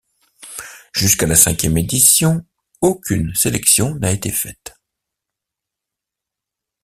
Jusqu'à la cinquième édition, aucune sélection n’a été faite.